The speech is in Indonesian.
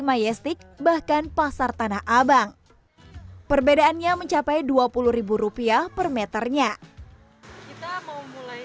mayastik bahkan pasar tanah abang perbedaannya mencapai dua puluh rupiah per meternya kita mau mulai